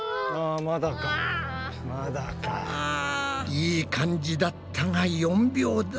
いい感じだったが４秒台。